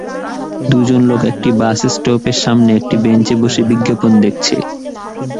দু-জন লোক একটা বাসস্টপের সামনে একটা বেঞ্চে বসে বিজ্ঞাপন দেখছে।